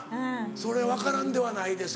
それ分からんではないですけどね。